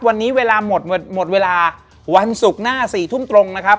วันนี้เวลาหมดหมดเวลาวันศุกร์หน้า๔ทุ่มตรงนะครับ